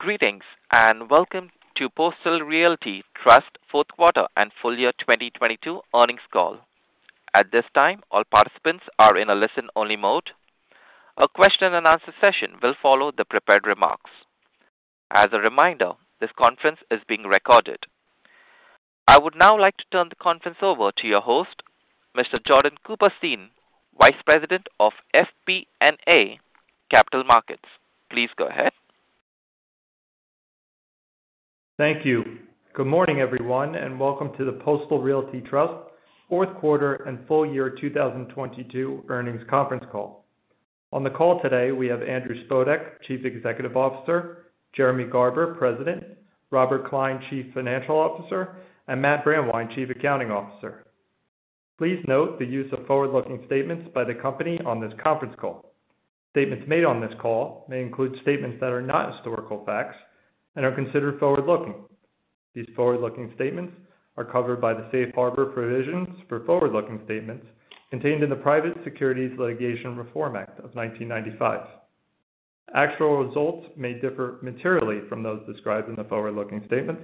Greetings, welcome to Postal Realty Trust fourth quarter and full year 2022 earnings call. At this time, all participants are in a listen-only mode. A question and answer session will follow the prepared remarks. As a reminder, this conference is being recorded. I would now like to turn the conference over to your host, Mr. Jordan Cooperstein, Vice President of FP&A Capital Markets. Please go ahead. Thank you. Good morning, everyone, and welcome to the Postal Realty Trust fourth quarter and full year 2022 earnings conference call. On the call today we have Andrew Spodek, Chief Executive Officer; Jeremy Garber, President; Robert Klein, Chief Financial Officer; and Matt Brandwein, Chief Accounting Officer. Please note the use of forward-looking statements by the company on this conference call. Statements made on this call may include statements that are not historical facts and are considered forward-looking. These forward-looking statements are covered by the safe harbor provisions for forward-looking statements contained in the Private Securities Litigation Reform Act of 1995. Actual results may differ materially from those described in the forward-looking statements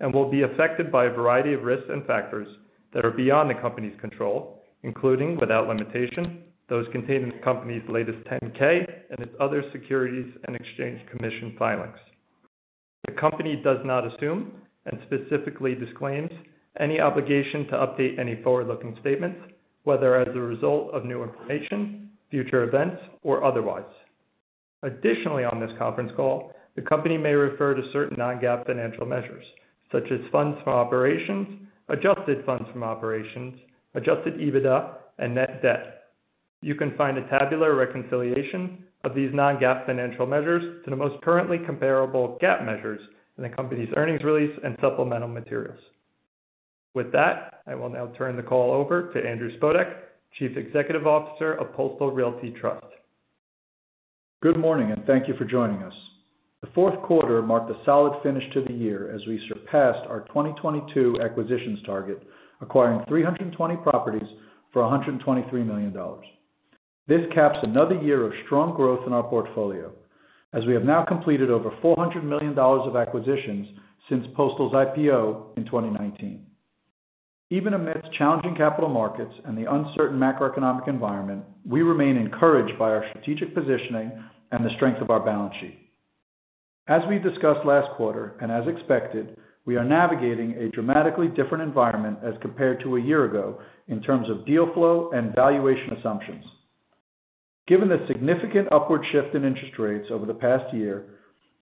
and will be affected by a variety of risks and factors that are beyond the company's control, including, without limitation, those contained in the company's latest 10-K and its other Securities and Exchange Commission filings. The company does not assume and specifically disclaims any obligation to update any forward-looking statements, whether as a result of new information, future events, or otherwise. Additionally, on this conference call, the company may refer to certain Non-GAAP financial measures such as funds from operations, adjusted funds from operations, adjusted EBITDA, and net debt. You can find a tabular reconciliation of these Non-GAAP financial measures to the most currently comparable GAAP measures in the company's earnings release and supplemental materials. With that, I will now turn the call over to Andrew Spodek, Chief Executive Officer of Postal Realty Trust. Good morning, thank you for joining us. The fourth quarter marked a solid finish to the year as we surpassed our 2022 acquisitions target, acquiring 320 properties for $123 million. This caps another year of strong growth in our portfolio as we have now completed over $400 million of acquisitions since Postal's IPO in 2019. Even amidst challenging capital markets and the uncertain macroeconomic environment, we remain encouraged by our strategic positioning and the strength of our balance sheet. As we discussed last quarter, as expected, we are navigating a dramatically different environment as compared to a year ago in terms of deal flow and valuation assumptions. Given the significant upward shift in interest rates over the past year,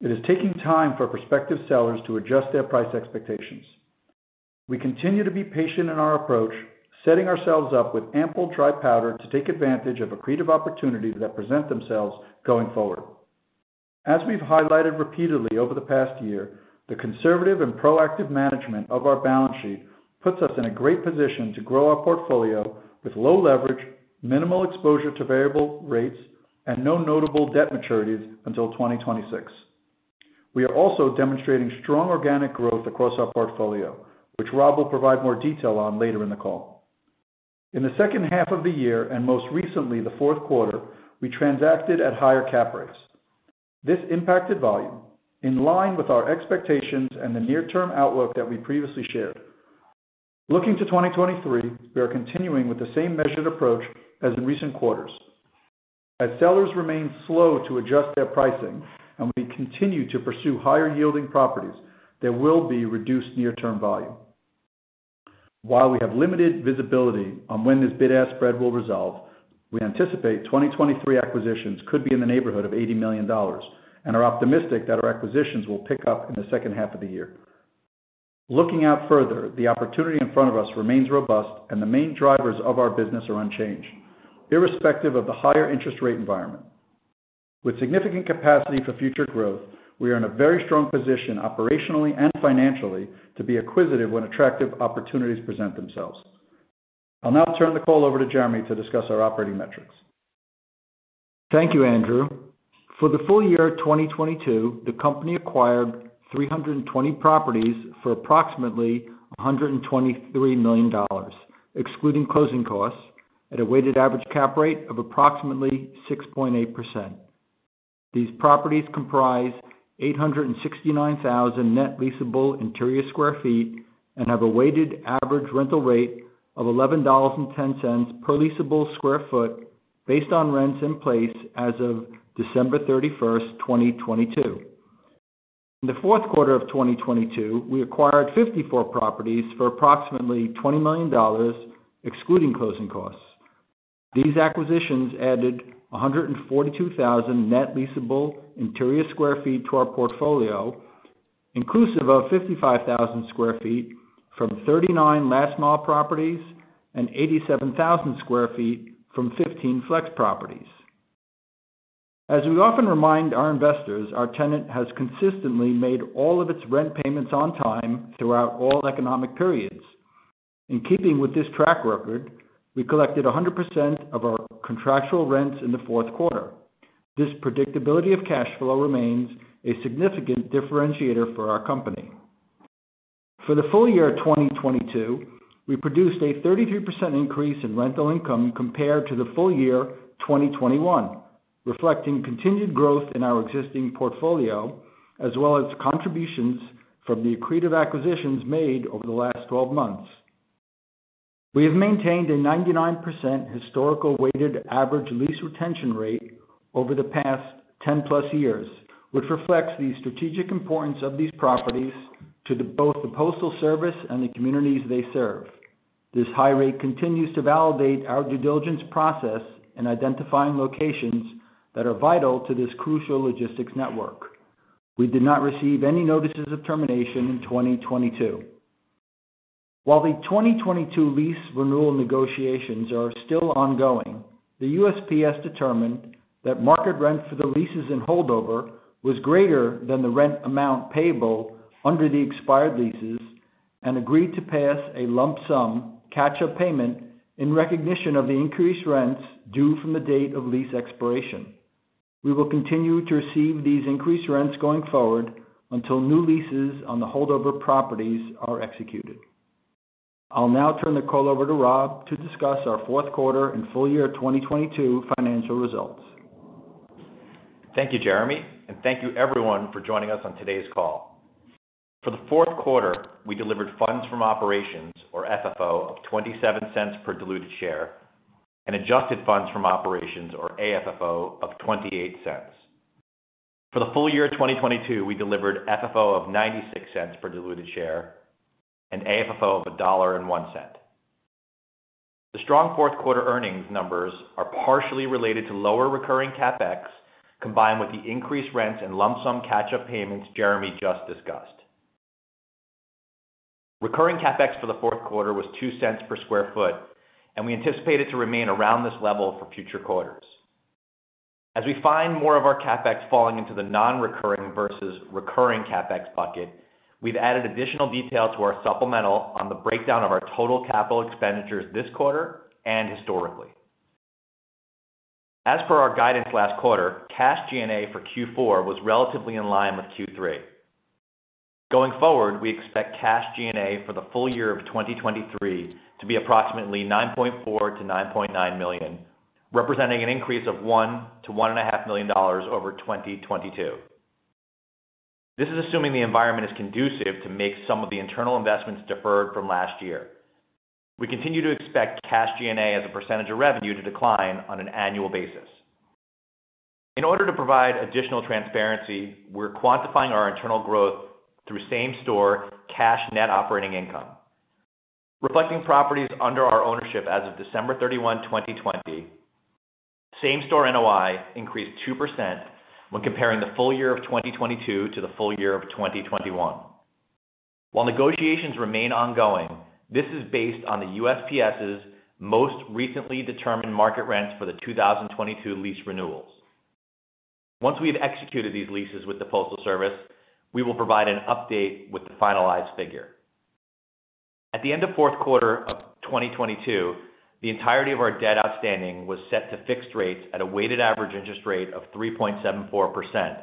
it is taking time for prospective sellers to adjust their price expectations. We continue to be patient in our approach, setting ourselves up with ample dry powder to take advantage of accretive opportunities that present themselves going forward. As we've highlighted repeatedly over the past year, the conservative and proactive management of our balance sheet puts us in a great position to grow our portfolio with low leverage, minimal exposure to variable rates, and no notable debt maturities until 2026. We are also demonstrating strong organic growth across our portfolio, which Rob will provide more detail on later in the call. In the second half of the year, most recently the fourth quarter, we transacted at higher cap rates. This impacted volume in line with our expectations and the near-term outlook that we previously shared. Looking to 2023, we are continuing with the same measured approach as in recent quarters. As sellers remain slow to adjust their pricing and we continue to pursue higher yielding properties, there will be reduced near-term volume. While we have limited visibility on when this bid-ask spread will resolve, we anticipate 2023 acquisitions could be in the neighborhood of $80 million and are optimistic that our acquisitions will pick up in the second half of the year. Looking out further, the opportunity in front of us remains robust and the main drivers of our business are unchanged, irrespective of the higher interest rate environment. With significant capacity for future growth, we are in a very strong position operationally and financially to be acquisitive when attractive opportunities present themselves. I'll now turn the call over to Jeremy to discuss our operating metrics. Thank you, Andrew. For the full year 2022, the company acquired 320 properties for approximately $123 million, excluding closing costs at a weighted average cap rate of approximately 6.8%. These properties comprise 869,000 net leasable interior sq ft and have a weighted average rental rate of $11.10 per leasable sq ft based on rents in place as of December 31, 2022. In the fourth quarter of 2022, we acquired 54 properties for approximately $20 million, excluding closing costs. These acquisitions added 142,000 net leasable interior sq ft to our portfolio, inclusive of 55,000 sq ft from 39 last-mile properties and 87,000 sq ft from 15 flex properties. As we often remind our investors, our tenant has consistently made all of its rent payments on time throughout all economic periods. In keeping with this track record, we collected 100% of our contractual rents in the fourth quarter. This predictability of cash flow remains a significant differentiator for our company. For the full year of 2022, we produced a 33% increase in rental income compared to the full year 2021, reflecting continued growth in our existing portfolio, as well as contributions from the accretive acquisitions made over the last 12 months. We have maintained a 99% historical weighted average lease retention rate over the past 10+ years, which reflects the strategic importance of these properties to both the Postal Service and the communities they serve. This high rate continues to validate our due diligence process in identifying locations that are vital to this crucial logistics network. We did not receive any notices of termination in 2022. While the 2022 lease renewal negotiations are still ongoing, the USPS determined that market rent for the leases in holdover was greater than the rent amount payable under the expired leases and agreed to pay us a lump sum catch up payment in recognition of the increased rents due from the date of lease expiration. We will continue to receive these increased rents going forward until new leases on the holdover properties are executed. I'll now turn the call over to Rob to discuss our fourth quarter and full year 2022 financial results. Thank you, Jeremy, and thank you everyone for joining us on today's call. For the fourth quarter, we delivered funds from operations or FFO of $0.27 per diluted share and adjusted funds from operations or AFFO of $0.28. For the full year 2022, we delivered FFO of $0.96 per diluted share and AFFO of $1.01. The strong fourth quarter earnings numbers are partially related to lower recurring CapEx combined with the increased rents and lump sum catch up payments Jeremy just discussed. Recurring CapEx for the fourth quarter was $0.02 per square foot, and we anticipate it to remain around this level for future quarters. As we find more of our CapEx falling into the non-recurring versus recurring CapEx bucket, we've added additional detail to our supplemental on the breakdown of our total capital expenditures this quarter and historically. As per our guidance last quarter, cash G&A for Q4 was relatively in line with Q3. Going forward, we expect cash G&A for the full year of 2023 to be approximately $9.4 million-$9.9 million, representing an increase of $1 million-$1.5 million over 2022. This is assuming the environment is conducive to make some of the internal investments deferred from last year. We continue to expect cash G&A as a percentage of revenue to decline on an annual basis. In order to provide additional transparency, we're quantifying our internal growth through same-store cash net operating income. Reflecting properties under our ownership as of December 31, 2020, same-store NOI increased 2% when comparing the full year of 2022 to the full year of 2021. While negotiations remain ongoing, this is based on the USPS's most recently determined market rents for the 2022 lease renewals. Once we have executed these leases with the Postal Service, we will provide an update with the finalized figure. At the end of Q4 of 2022, the entirety of our debt outstanding was set to fixed rates at a weighted average interest rate of 3.74%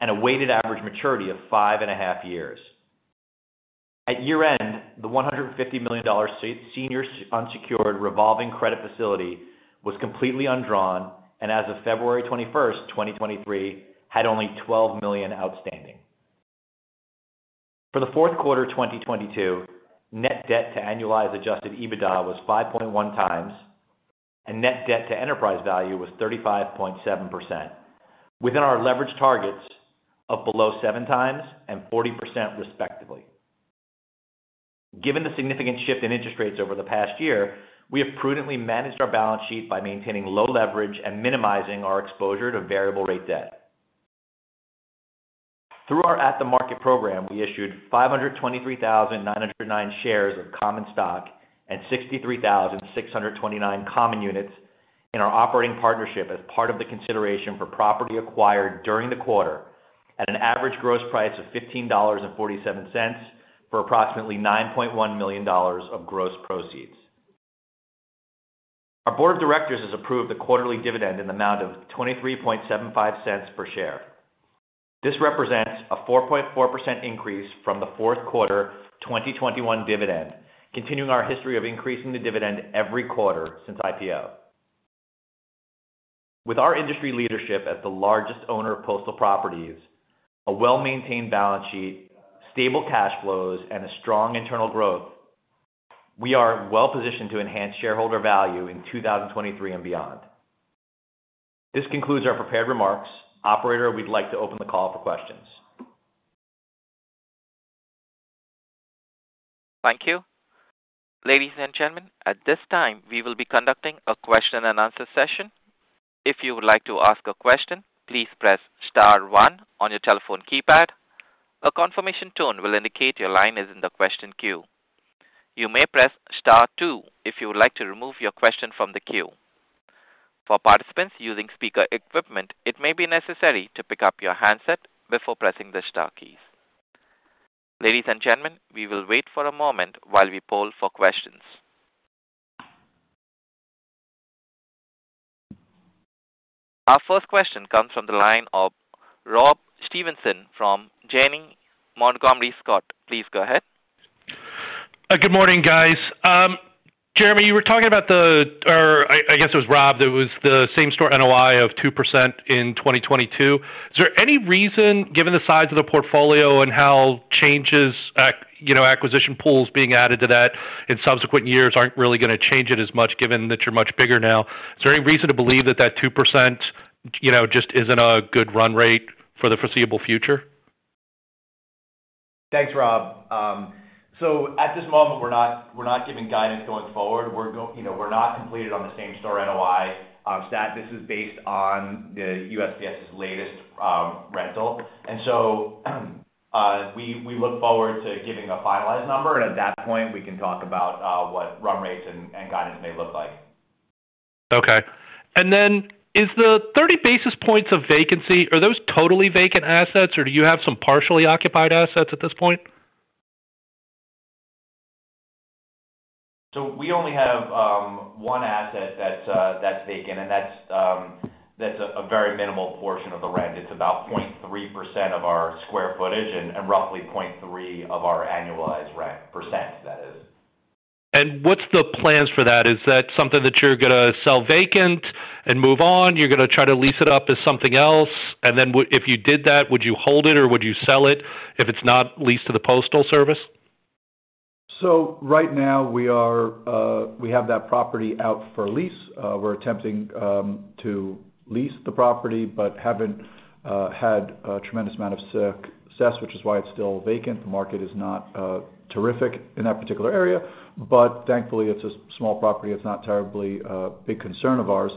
and a weighted average maturity of 5.5 years. At year-end, the $150 million senior unsecured revolving credit facility was completely undrawn, and as of February 21st, 2023 had only $12 million outstanding. For the fourth quarter 2022, net debt to annualized adjusted EBITDA was 5.1x, and net debt to enterprise value was 35.7%, within our leverage targets of below 7x and 40% respectively. Given the significant shift in interest rates over the past year, we have prudently managed our balance sheet by maintaining low leverage and minimizing our exposure to variable rate debt. Through our At-the-Market program, we issued 523,909 shares of common stock and 63,629 common units in our operating partnership as part of the consideration for property acquired during the quarter at an average gross price of $15.47 for approximately $9.1 million of gross proceeds. Our board of directors has approved the quarterly dividend in the amount of $0.2375 per share. This represents a 4.4% increase from the fourth quarter 2021 dividend, continuing our history of increasing the dividend every quarter since IPO. With our industry leadership as the largest owner of postal properties, a well-maintained balance sheet, stable cash flows, and a strong internal growth, we are well positioned to enhance shareholder value in 2023 and beyond. This concludes our prepared remarks. Operator, we'd like to open the call for questions. Thank you. Ladies and gentlemen, at this time we will be conducting a question and answer session. If you would like to ask a question, please press star one on your telephone keypad. A confirmation tone will indicate your line is in the question queue. You may press star two if you would like to remove your question from the queue. For participants using speaker equipment, it may be necessary to pick up your handset before pressing the star keys. Ladies and gentlemen, we will wait for a moment while we poll for questions. Our first question comes from the line of Rob Stevenson from Janney Montgomery Scott. Please go ahead. Good morning, guys. Jeremy, you were talking about the or I guess it was Rob, that was the same store NOI of 2% in 2022. Is there any reason, given the size of the portfolio and how changes, you know, acquisition pools being added to that in subsequent years aren't really gonna change it as much, given that you're much bigger now, is there any reason to believe that that 2%, you know, just isn't a good run rate for the foreseeable future? Thanks, Rob. At this moment, we're not giving guidance going forward. You know, we're not completed on the same-store NOI stat. This is based on the USPS's latest rental. We look forward to giving a finalized number, and at that point, we can talk about what run rates and guidance may look like. Okay. Is the 30 basis points of vacancy, are those totally vacant assets, or do you have some partially occupied assets at this point? We only have, one asset that's vacant, and that's a very minimal portion of the rent. It's about 0.3% of our square footage and roughly 0.3 of our annualized rent, % that is. What's the plans for that? Is that something that you're gonna sell vacant and move on? You're gonna try to lease it up as something else? If you did that, would you hold it or would you sell it if it's not leased to the Postal Service? Right now we have that property out for lease. We're attempting to lease the property, but haven't had a tremendous amount of success, which is why it's still vacant. The market is not terrific in that particular area, but thankfully it's a small property. It's not terribly big concern of ours.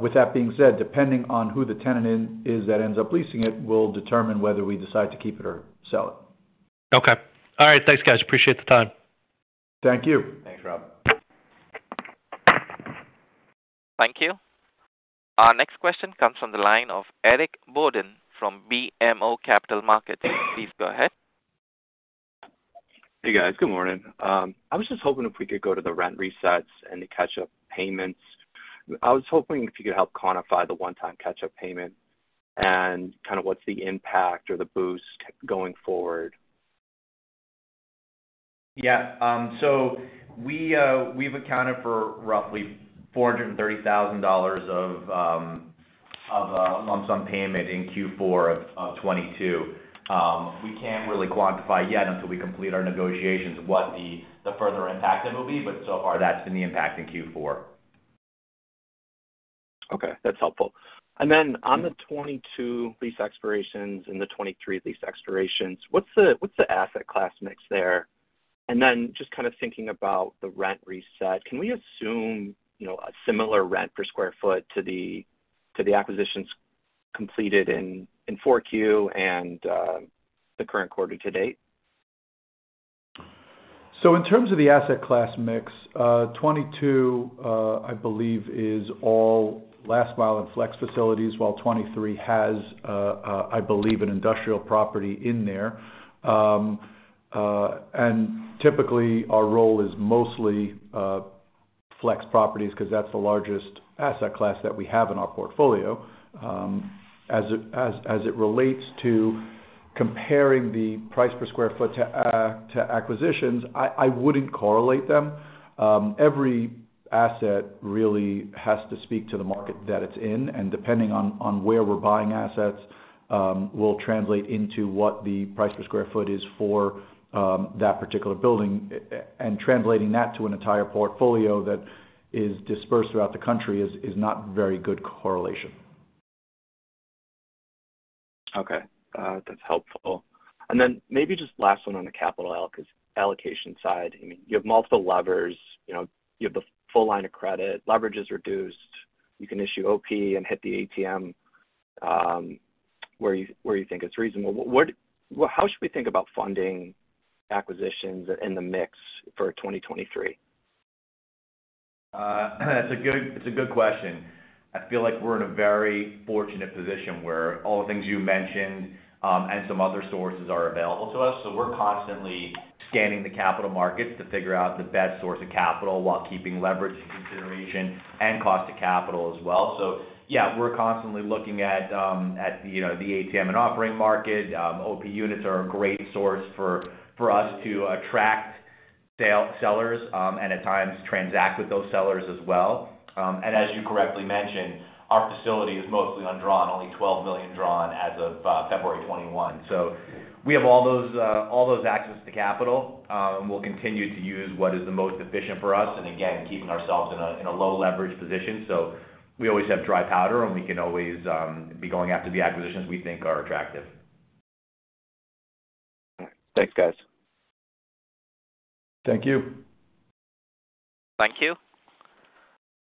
With that being said, depending on who the tenant is that ends up leasing it, will determine whether we decide to keep it or sell it. Okay. All right. Thanks, guys. Appreciate the time. Thank you. Thanks, Rob. Thank you. Our next question comes from the line of Eric Borden from BMO Capital Markets. Please go ahead. Hey, guys. Good morning. I was just hoping if we could go to the rent resets and the catch-up payments. I was hoping if you could help quantify the one-time catch-up payment and kind of what's the impact or the boost going forward. Yeah. We've accounted for roughly $430,000 of a lump sum payment in Q4 of 2022. We can't really quantify yet until we complete our negotiations what the further impact it will be, but so far, that's been the impact in Q4. Okay, that's helpful. On the 2022 lease expirations and the 2023 lease expirations, what's the asset class mix there? Just kind of thinking about the rent reset, can we assume, you know, a similar rent per square foot to the acquisitions completed in Q4 and the current quarter to date? In terms of the asset class mix, 2022, I believe is all last-mile and flex facilities, while 2023 has, I believe an industrial property in there. Typically, our role is mostly flex properties because that's the largest asset class that we have in our portfolio. As it relates to comparing the price per square foot to acquisitions, I wouldn't correlate them. Every asset really has to speak to the market that it's in, and depending on where we're buying assets, will translate into what the price per square foot is for that particular building. Translating that to an entire portfolio that is dispersed throughout the country is not very good correlation. Okay. That's helpful. Maybe just last one on the capital allocation side. I mean, you have multiple levers. You know, you have the full line of credit. Leverage is reduced. You can issue OP and hit the ATM, where you think it's reasonable. How should we think about funding acquisitions in the mix for 2023? It's a good question. I feel like we're in a very fortunate position where all the things you mentioned, and some other sources are available to us. We're constantly scanning the capital markets to figure out the best source of capital while keeping leverage into consideration and cost of capital as well. Yeah, we're constantly looking at, you know, the ATM and operating market. OP units are a great source for us to attract sellers, and at times transact with those sellers as well. As you correctly mentioned, our facility is mostly undrawn, only $12 million drawn as of February 21. We have all those access to capital, we'll continue to use what is the most efficient for us, and again, keeping ourselves in a, in a low leverage position. We always have dry powder, and we can always, be going after the acquisitions we think are attractive. Thanks, guys. Thank you. Thank you.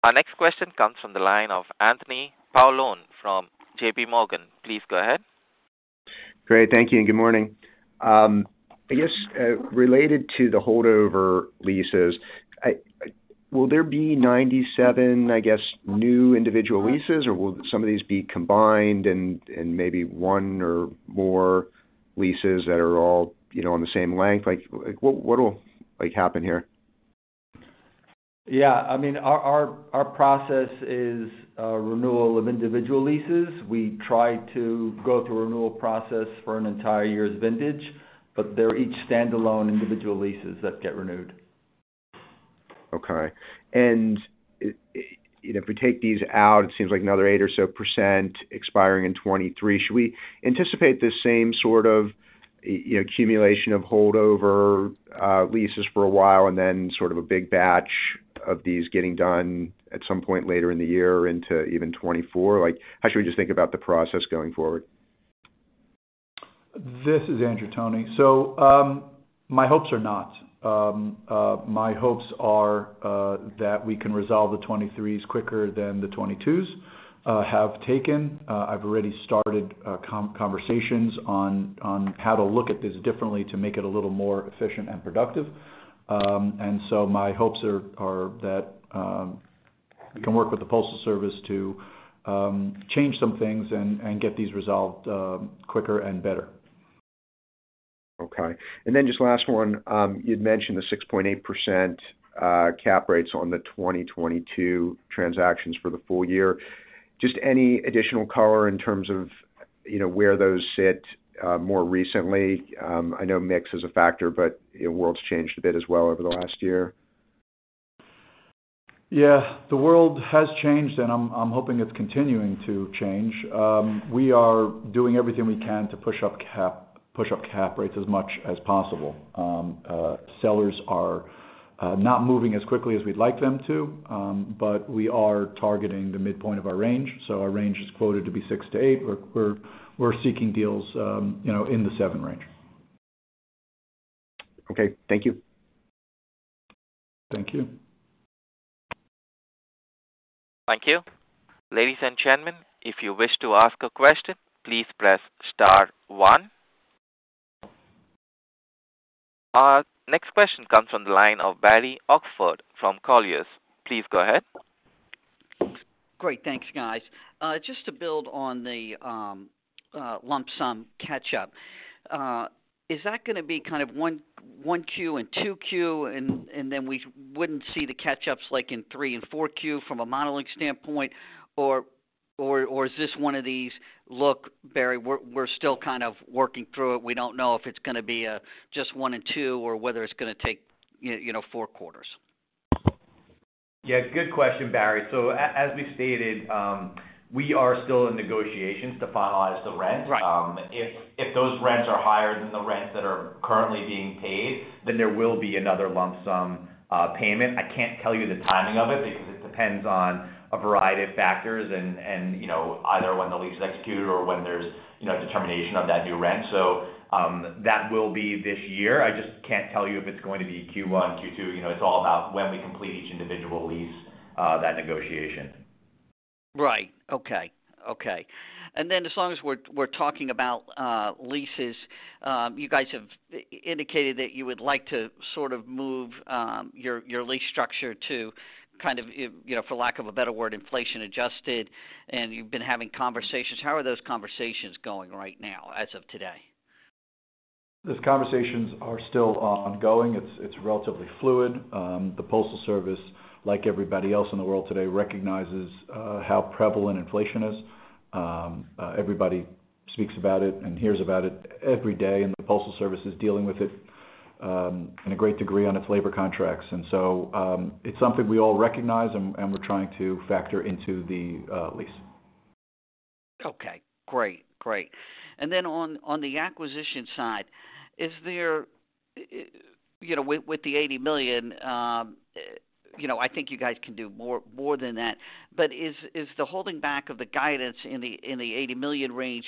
Our next question comes from the line of Anthony Paolone from JP Morgan. Please go ahead. Great. Thank you and good morning. I guess, related to the holdover leases, will there be 97, I guess, new individual leases, or will some of these be combined and maybe one or more leases that are all, you know, on the same length? Like what will, like, happen here? Yeah, I mean, our process is a renewal of individual leases. We try to go through a renewal process for an entire year's vintage. They're each standalone individual leases that get renewed. Okay. If we take these out, it seems like another 8% or so expiring in 2023. Should we anticipate this same sort of, you know, accumulation of holdover leases for a while and then sort of a big batch of these getting done at some point later in the year into even 2024? Like, how should we just think about the process going forward? This is Andrew Spodek. My hopes are not. My hopes are that we can resolve the 23s quicker than the 22s have taken. I've already started conversations on how to look at this differently to make it a little more efficient and productive. My hopes are that we can work with the Postal Service to change some things and get these resolved quicker and better. Okay. Just last one. You'd mentioned the 6.8% cap rates on the 2022 transactions for the full year. Just any additional color in terms of, you know, where those sit more recently? I know mix is a factor, but the world's changed a bit as well over the last year. Yeah, the world has changed, and I'm hoping it's continuing to change. We are doing everything we can to push up cap rates as much as possible. Sellers are not moving as quickly as we'd like them to, but we are targeting the midpoint of our range. Our range is quoted to be 6-8. We're seeking deals, you know, in the 7 range. Okay, thank you. Thank you. Thank you. Ladies and gentlemen, if you wish to ask a question, please press star one. Our next question comes from the line of Barry Oxford from Colliers. Please go ahead. Great. Thanks, guys. Just to build on the lump sum catch up, is that gonna be kind of one Q and two Q, and then we wouldn't see the catch-ups like in three and four Q from a modeling standpoint? Or is this one of these, "Look, Barry, we're still kind of working through it. We don't know if it's gonna be a just one and two or whether it's gonna take, you know, four quarters"? Yeah, good question, Barry. As we stated, we are still in negotiations to finalize the rent. Right. If those rents are higher than the rents that are currently being paid, there will be another lump sum, payment. I can't tell you the timing of it because it depends on a variety of factors and, you know, either when the lease is executed or when there's, you know, determination of that new rent. That will be this year. I just can't tell you if it's going to be Q1, Q2. You know, it's all about when we complete each individual lease, that negotiation. Right. Okay. Okay. As long as we're talking about leases, you guys have indicated that you would like to sort of move your lease structure to kind of, you know, for lack of a better word, inflation-adjusted, and you've been having conversations. How are those conversations going right now as of today? Those conversations are still ongoing. It's relatively fluid. The Postal Service, like everybody else in the world today, recognizes how prevalent inflation is. Everybody speaks about it and hears about it every day, and the Postal Service is dealing with it in a great degree on its labor contracts. It's something we all recognize and we're trying to factor into the lease. Okay, great. Great. On the acquisition side, you know, with the $80 million, you know, I think you guys can do more than that. Is the holding back of the guidance in the $80 million range,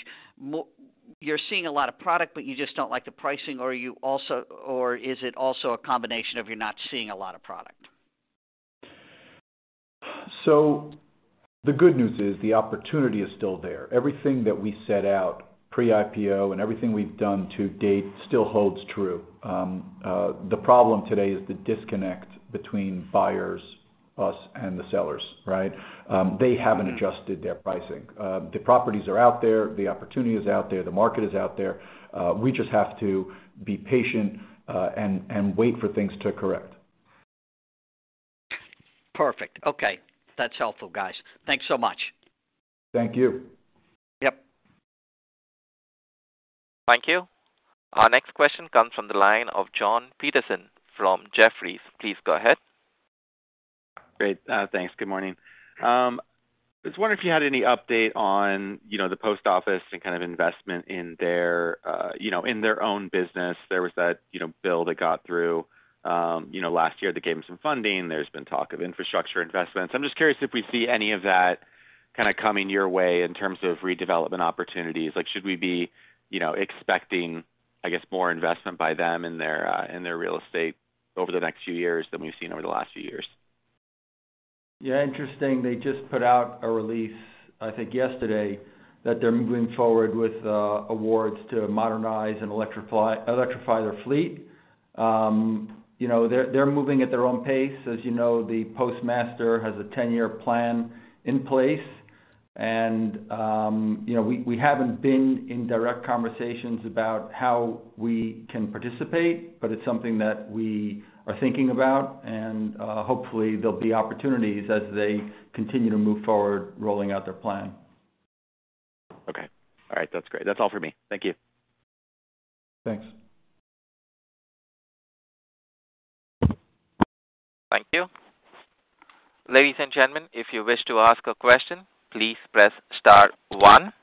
you're seeing a lot of product, but you just don't like the pricing, or is it also a combination of you're not seeing a lot of product? The good news is the opportunity is still there. Everything that we set out pre-IPO and everything we've done to date still holds true. The problem today is the disconnect between buyers, us, and the sellers, right? They haven't adjusted their pricing. The properties are out there, the opportunity is out there, the market is out there. We just have to be patient and wait for things to correc. Perfect. Okay. That's helpful, guys. Thanks so much. Thank you. Yep. Thank you. Our next question comes from the line of Jon Petersen from Jefferies. Please go ahead. Great. Thanks. Good morning. I was wondering if you had any update on, you know, the post office and kind of investment in their, you know, in their own business. There was that, you know, bill that got through, you know, last year that gave them some funding. There's been talk of infrastructure investments. I'm just curious if we see any of that kind of coming your way in terms of redevelopment opportunities. Like, should we be, you know, expecting, I guess, more investment by them in their in their real estate over the next few years than we've seen over the last few years? Yeah, interesting. They just put out a release, I think yesterday, that they're moving forward with awards to modernize and electrify their fleet. You know, they're moving at their own pace. As you know, the postmaster has a 10-year plan in place. You know, we haven't been in direct conversations about how we can participate, but it's something that we are thinking about, and hopefully, there'll be opportunities as they continue to move forward rolling out their plan. Okay. All right. That's great. That's all for me. Thank you. Thanks. Thank you. Ladies and gentlemen, if you wish to ask a question, please press star one.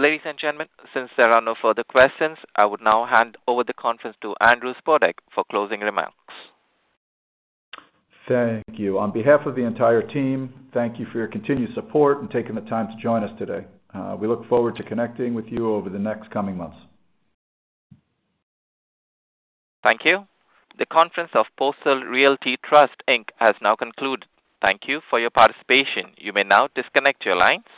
Ladies and gentlemen, since there are no further questions, I would now hand over the conference to Andrew Spodek for closing remarks. Thank you. On behalf of the entire team, thank you for your continued support and taking the time to join us today. We look forward to connecting with you over the next coming months. Thank you. The conference of Postal Realty Trust Inc. has now concluded. Thank you for your participation. You may now disconnect your line.